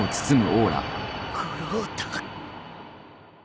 五郎太。